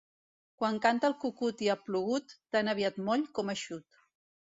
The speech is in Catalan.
Quan canta el cucut i ha plogut, tan aviat moll com eixut.